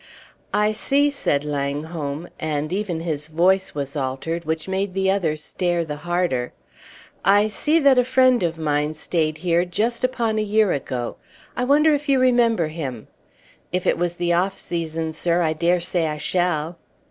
"I see," said Langholm and even his voice was altered, which made the other stare the harder "I see that a friend of mine stayed here just upon a year ago. I wonder if you remember him?" "If it was the off season, sir, I dare say I shall."